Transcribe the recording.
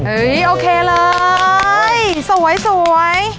เออโอเคเลยสวยสวย